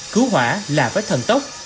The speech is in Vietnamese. cứu hỏa là với thần tốc